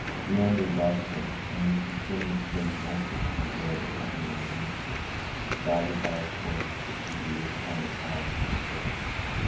Leander loved her, and used to swim the strait nightly to enjoy the company of his mistress, guided by a torch which she reared upon the tower for the purpose.